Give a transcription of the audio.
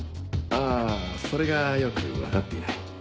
あそれがよく分かっていない。